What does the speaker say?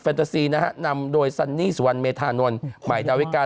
แฟนตาซีนะฮะนำโดยซันนี่สวันเมทานวันใหม่ดาวิกา